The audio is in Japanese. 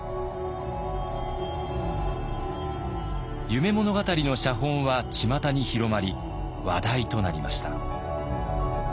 「夢物語」の写本はちまたに広まり話題となりました。